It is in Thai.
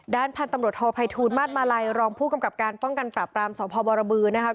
ด้านพลันตรฯทพายทูนมาสมาลัยรองผู้กำกราบการป้องกันผลัพกราบศพบรบือนะฮะ